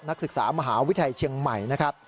นักศึกษามหาวิทยาลัยเชียงใหม่นะครับ